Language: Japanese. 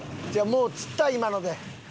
もう釣った今ので。